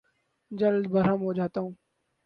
جلد برہم ہو جاتا ہوں